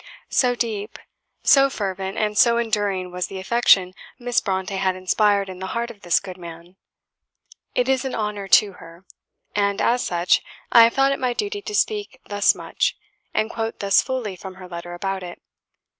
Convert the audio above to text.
So deep, so fervent, and so enduring was the affection Miss Brontë had inspired in the heart of this good man! It is an honour to her; and, as such, I have thought it my duty to speak thus much, and quote thus fully from her letter about it.